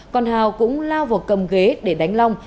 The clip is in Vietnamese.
còn hào cũng lao vào cầm ghế để đánh long